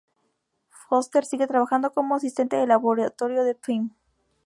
Foster sigue trabajando como asistente de laboratorio de Pym.